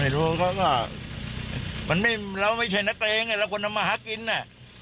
แต่กลัวว่ากลัวว่าทุกคนไม่รู้เขาก็เราไม่ใช่นักตัวเองเราควรเอามาหากินน่ะ